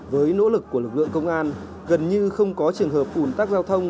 với nỗ lực của lực lượng công an gần như không có trường hợp ủn tắc giao thông